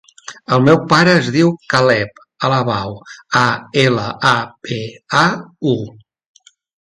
El meu pare es diu Caleb Alabau: a, ela, a, be, a, u.